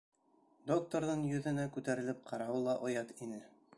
Докторҙың йөҙөнә күтәрелеп ҡарауы ла оят ине.